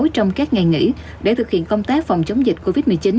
trong các ngày nghỉ để thực hiện công tác phòng chống dịch covid một mươi chín